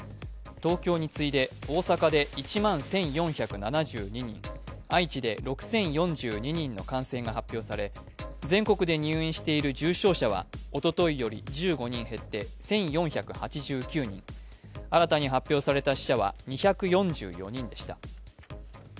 東京に次いで大阪で１万１４７２人、愛知で６０４２人の感染が発表され全国で入院している重症者はおとといより１５人減って１４８９人、新たに発表された死者は２４４人でした。